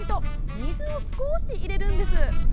水を少し入れるんです。